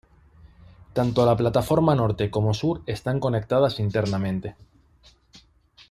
Tanto la plataforma norte como sur están conectadas internamente.